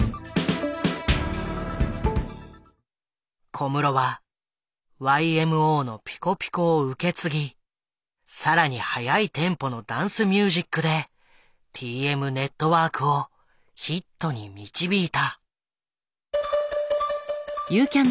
小室はＹＭＯのピコピコを受け継ぎ更に速いテンポのダンスミュージックでＴＭＮＥＴＷＯＲＫをヒットに導いた。